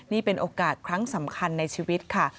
นี่เป็นโอกาสครั้งสำคัญในชีวิตค่ะ